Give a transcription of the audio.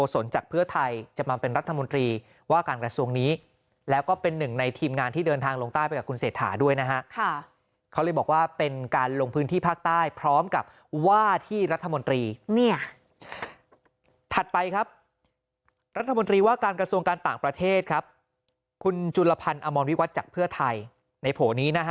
ถัดเพื่อไทยจะมาเป็นรัฐมนตรีว่าการกระทรวงนี้แล้วก็เป็นหนึ่งในทีมงานที่เดินทางลงใต้ไปกับคุณเศรษฐาด้วยนะฮะเขาเลยบอกว่าเป็นการลงพื้นที่ภาคใต้พร้อมกับว่าที่รัฐมนตรีเนี่ยถัดไปครับรัฐมนตรีว่าการกระทรวงการต่างประเทศครับคุณจุลพันธ์อมรวิวัตรจากเพื่อไทยในโผล่นี้นะฮะ